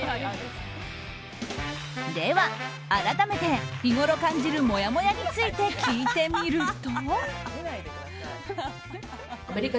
では改めて日ごろ感じるもやもやについて聞いてみると。